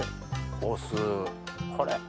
お酢これ。